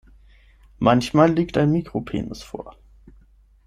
Manchmal liegt ein Mikropenis vor.